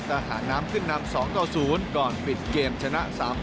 ทหารน้ำขึ้นนำ๒ต่อ๐ก่อนปิดเกมชนะ๓๐